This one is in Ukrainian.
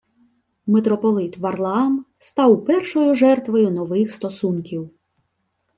Митрополит Варлаам став першою жертвою нових стосунків